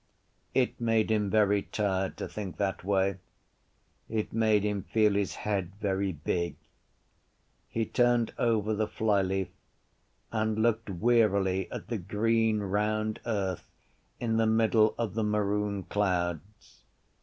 It made him very tired to think that way. It made him feel his head very big. He turned over the flyleaf and looked wearily at the green round earth in the middle of the maroon clouds.